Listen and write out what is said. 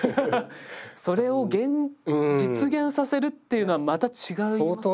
それを実現させるっていうのはまた違いますよね。